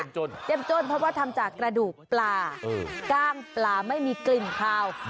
เจ็บจนเพราะว่าทำจากกระดูกปลากล้างปลาไม่มีกลิ่นคาว